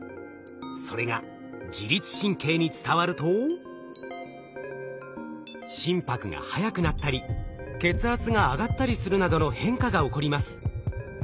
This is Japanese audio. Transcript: それが自律神経に伝わると心拍が速くなったり血圧が上がったりするなどの変化が起こります。